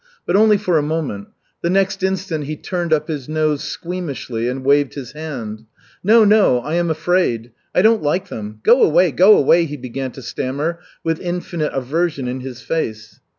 But only for a moment. The next instant he turned up his nose squeamishly and waved his hand. "No, no! I am afraid. I don't like them. Go away, go away!" he began to stammer, with infinite aversion in his face.